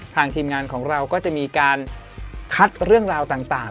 ทีมงานของเราก็จะมีการคัดเรื่องราวต่าง